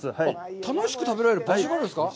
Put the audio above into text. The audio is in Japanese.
楽しく食べられる場所があるんですか？